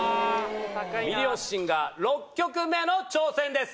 『ミリオンシンガー』６曲目の挑戦です。